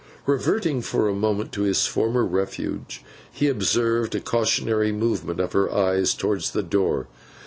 Reverting for a moment to his former refuge, he observed a cautionary movement of her eyes towards the door.